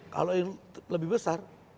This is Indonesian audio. kalau yang lebih besar